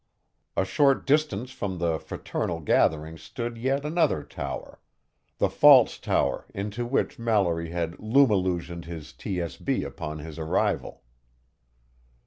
A short distance from the fraternal gathering stood yet another tower the false tower into which Mallory had lumillusioned his TSB upon his arrival.